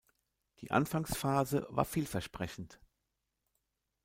Die Anfangsphase war vielversprechend.